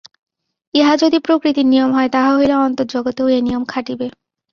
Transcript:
ইহা যদি প্রকৃতির নিয়ম হয়, তাহা হইলে অন্তর্জগতেও এ নিয়ম খাটিবে।